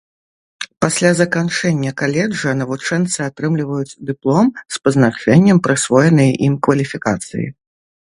Пасля заканчэння каледжа навучэнцы атрымліваюць дыплом з пазначэннем прысвоенай ім кваліфікацыі.